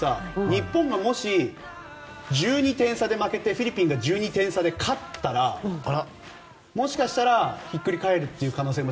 日本がもし１２点差で負けてフィリピンが１２点差で勝ったらもしかしたらひっくり返る可能性も。